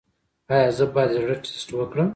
ایا زه باید د زړه ټسټ وکړم؟